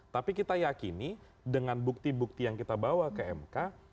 tapi kita yakini dengan bukti bukti yang kita bawa ke mk